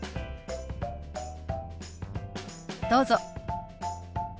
どうぞ。